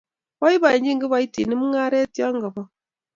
Boibochini kibaitinik mung'areg ye kabor